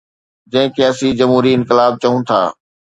جنهن کي اسين جمهوري انقلاب چئون ٿا.